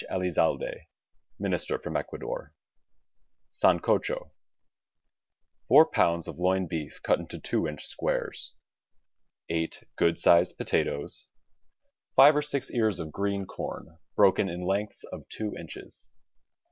Elizalde (Minister from Ecuador) SANCOCHO Four pounds of loin beef cut into two inch squares. Eight good sized potatoes. Five or six ears of green corn, broken in lengths of two inches.